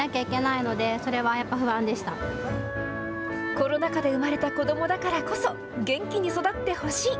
コロナ禍で生まれた子どもだからこそ元気に育ってほしい。